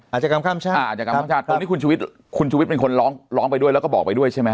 อาจยากรข้ามชาติตรงนี้คุณชุวิตเป็นคนร้องไปด้วยแล้วก็บอกไปด้วยใช่ไหม